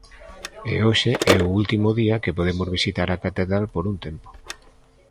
E hoxe é o último día que podemos visitar a catedral por un tempo.